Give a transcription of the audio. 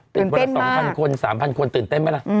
ตื่นเต้นมาก๒๐๐๐คน๓๐๐๐คนตื่นเต้นไหมล่ะ